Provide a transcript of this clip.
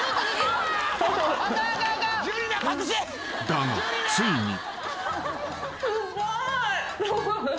［だがついに］